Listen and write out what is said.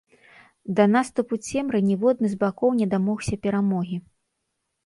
Да наступу цемры ніводны з бакоў не дамогся перамогі.